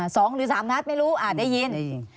สองหรือสามนัดไม่รู้ได้ยิน